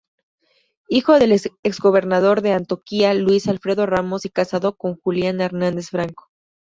Hijo del exgobernador de Antioquia Luis Alfredo Ramos y casado con Juliana Hernández Franco.